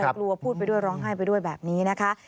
กลัวพูดไปด้วยร้องไห้ไปด้วยแบบนี้นะคะ